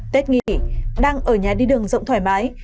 tết nghỉ đang ở nhà đi đường rộng thoải mái